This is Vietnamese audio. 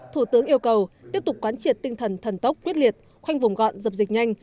thủ tướng yêu cầu tiếp tục quán triệt tinh thần thần tốc quyết liệt khoanh vùng gọn dập dịch nhanh